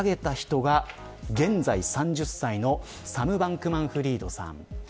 作り上げた人が現在３０歳のサム・バンクマンフリードさん。